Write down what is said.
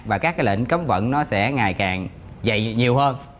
và các cái lệnh cấm vận nó sẽ ngày càng dày nhiều hơn